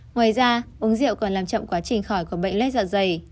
ngoài ra uống rượu còn làm chậm quá trình khỏi có bệnh lết dạ dày